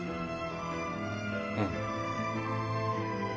うん。